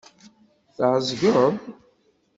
Tɛezgeḍ?